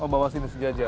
oh bawah sini sejajar